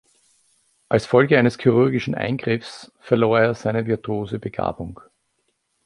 Als Folge eines chirurgischen Eingriffs verlor er seine virtuose Begabung.